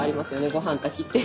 ごはん炊きって。